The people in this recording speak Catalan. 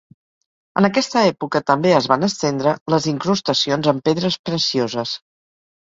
En aquesta època, també es van estendre les incrustacions en pedres precioses.